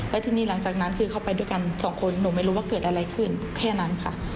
และทีนี้หลังจากนั้นคือเขาไปด้วยกันสองคนหนูไม่รู้ว่าเกิดอะไรขึ้นแค่นั้นค่ะ